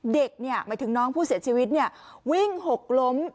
หมายถึงน้องผู้เสียชีวิตวิ่งหกล้ม